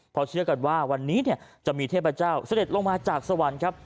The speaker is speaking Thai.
เพราะเชื่อกันว่าวันนี้จะมีเทพเจ้าเสด็จลงมาจากสวรรค์ครับ